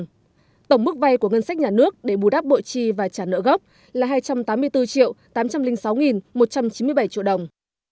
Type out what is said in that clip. tổng mức vay của ngân sách nhà nước để bù đáp bộ chi và trả nợ gốc là hai trăm tám mươi bốn triệu tám trăm linh sáu một trăm chín mươi bảy triệu đồng